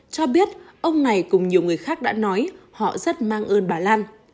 cho biết ông này cùng nhiều người khác đã nói họ rất mang ơn bà lan